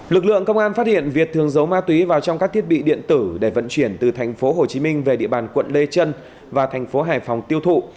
lực lượng công an phát hiện việt thường giấu ma túy vào trong các thiết bị điện tử để vận chuyển từ tp hcm về địa bàn quận đê chân và tp hcm tiêu thụ